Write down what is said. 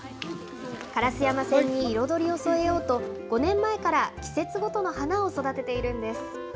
烏山線に彩りを添えようと、５年前から季節ごとの花を育てているんです。